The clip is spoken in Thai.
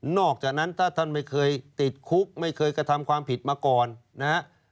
อกจากนั้นถ้าท่านไม่เคยติดคุกไม่เคยกระทำความผิดมาก่อนนะฮะ